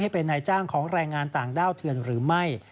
เป็นนายจ้างของแรงงานต่างด้าวเถือนหรือไม่